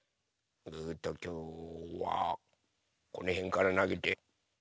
えときょうはこのへんからなげて。